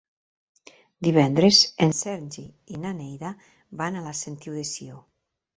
Divendres en Sergi i na Neida van a la Sentiu de Sió.